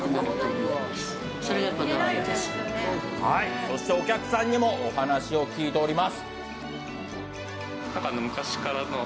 そしてお客さんにもお話を聞いております。